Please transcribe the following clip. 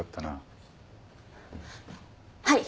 はい。